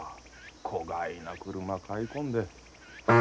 こがいな車買い込んで。